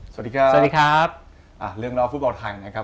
สวัสดีครับสวัสดีครับอ่าเรื่องรอบฟุตบอลไทยนะครับ